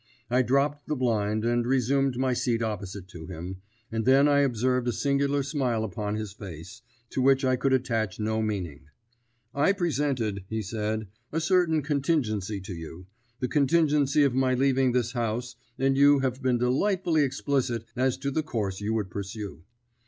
I dropped the blind, and resumed my seat opposite to him, and then I observed a singular smile upon his face, to which I could attach no meaning. "I presented," he said, "a certain contingency to you, the contingency of my leaving this house, and you have been delightfully explicit as to the course you would pursue.